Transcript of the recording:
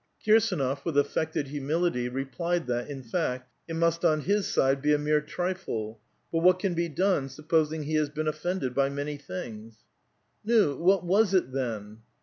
Kirsdnof, with affected humility, replied that, in fact, it must on his side be a mere trifle ; but what can be done, supposing he has been offended by many things ?" Nu, what was it then?"